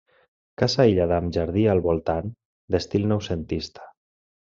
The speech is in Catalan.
Casa aïllada amb jardí al voltant, d'estil noucentista.